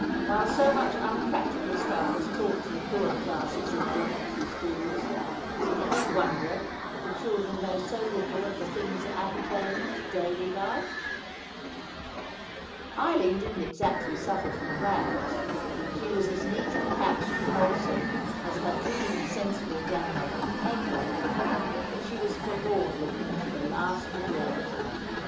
While so much unpractical stuff is taught to the poorer classes in elementary schools, is it any wonder that the children know so little of the things appertaining to daily life? Eileen didn't exactly suffer from rags. She was as neat and patched and wholesome as her clean, sensible grandmother could make her; but she was forlorn looking to the last degree.